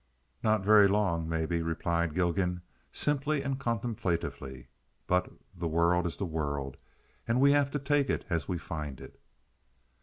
"Not very long, maybe," replied Gilgan, simply and contemplatively, "but the world is the world, and we have to take it as we find it."